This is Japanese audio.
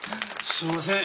すいません。